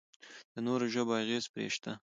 د نورو ژبو اغېز پرې شته.